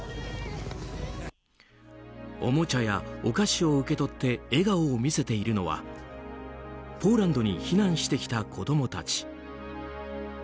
おもちゃやお菓子を受け取って笑顔を見せているのはポーランドに避難してきた子供たち。